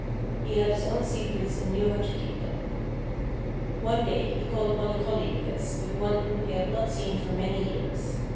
He had his own secrets and knew how to keep them. One day he called upon a colleague of his, but one whom he had not seen for many years.